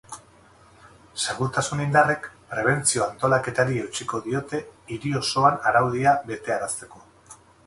Segurtasun indarrek prebentzio-antolaketari eutsiko diote, hiri osoan araudia betearazteko.